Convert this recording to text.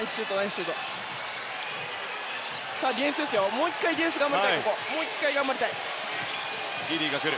もう１回ディフェンス頑張りたい。